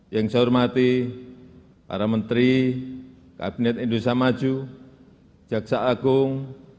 yang saya hormati para menteri kabinet indonesia maju jaksa agung